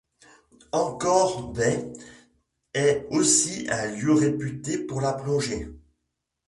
Anchor Bay est aussi un lieu réputé pour la plongée.